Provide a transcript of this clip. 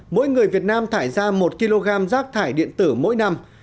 mỗi người việt nam thải ra một kg rác thải điện tử mỗi năm